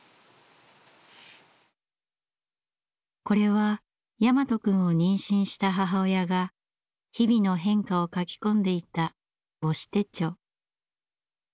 これは大和くんを妊娠した母親が日々の変化を書き込んでいた母子手帳。